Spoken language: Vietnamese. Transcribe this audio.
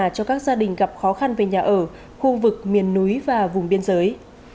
cho các gia đình gặp khó khăn về nhà ở khu vực miền núi và vùng biên giới